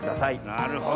なるほど。